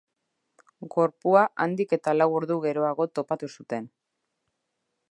Gorpua handik eta lau ordu geroago topatu zuten.